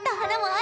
あ！